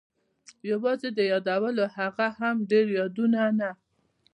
یوازې د یادولو، هغه هم ډېر یادول نه.